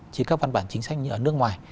chỉ các văn bản chính sách ở nước ngoài